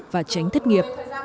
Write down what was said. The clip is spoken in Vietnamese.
và tránh thất nghiệp